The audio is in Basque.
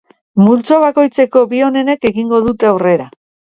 Multzo bakoitzeko bi onenek egingo dute aurrera.